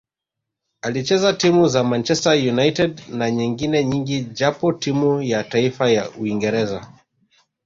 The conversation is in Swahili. Alicheza timu za Manchester United na nyengine nyingi japo timu ya taifa ya Uingereza